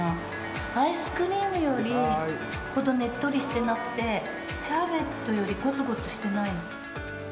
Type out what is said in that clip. アイスクリームほどねっとりしてなくてシャーベットよりごつごつしてない。